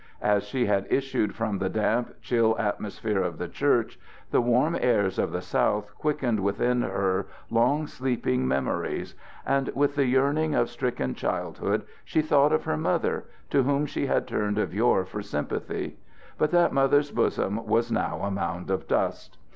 As she had issued from the damp, chill atmosphere of the church, the warm airs of the south quickened within her long sleeping memories; and with the yearning of stricken childhood she thought of her mother, to whom she had turned of yore for sympathy; but that mother's bosom was now a mound of dust.